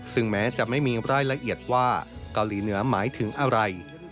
ซึ่งแม้จะไม่มีรายละเอียดว่าเกาหลีเหนือหมายถึงอะไร